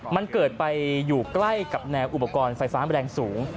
มันเกิดไปอยู่ใกล้กับแนวอุปกรณ์ไฟฟ้าแรงสูง